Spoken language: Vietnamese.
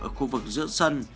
ở khu vực giữa sân